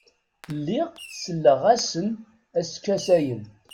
Lliɣ selleɣ-asen a skasayen.